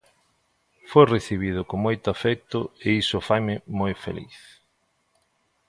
Foi recibido con moito afecto e iso faime moi feliz.